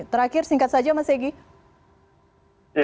terakhir singkat saja mas egy